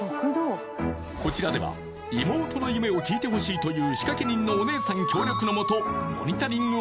こちらでは妹の夢を聞いてほしいという仕掛人のお姉さん協力のもと